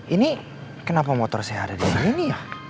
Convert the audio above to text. ini kenapa motor saya di sini ya